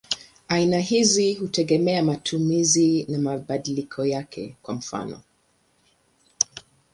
Aina hizi hutegemea matumizi na mabadiliko yake; kwa mfano.